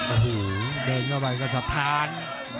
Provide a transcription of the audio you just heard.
โอ้โหเดินเข้าไปก็สะท้าน